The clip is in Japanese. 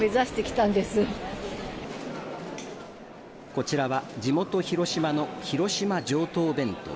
こちらは地元広島の廣島上等弁当。